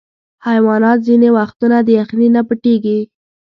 حیوانات ځینې وختونه د یخني نه پټیږي.